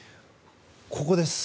ここです。